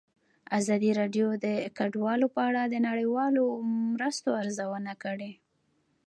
ازادي راډیو د کډوال په اړه د نړیوالو مرستو ارزونه کړې.